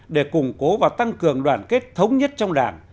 để củng cố và tăng cường đoàn kết thống nhất trong đảng